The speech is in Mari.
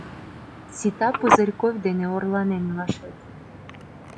Сита Пузырьков дене орланен илашет...